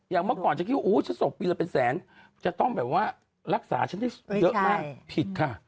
อย่างเมื่อก่อนจะคิดว่าอู้วชะสกปีน่ะเป็นแสนจะต้องแบบว่ารักษาชั้นได้เยอะมากผิดค่ะ